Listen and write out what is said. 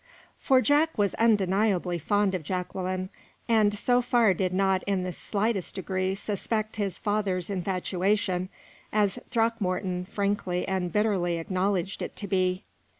For Jack was undeniably fond of Jacqueline, and so far did not in the slightest degree suspect his father's infatuation, as Throckmorton frankly and bitterly acknowledged it to be.